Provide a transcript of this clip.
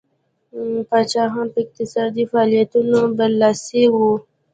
پاچاهان په اقتصادي فعالیتونو برلاسي وو.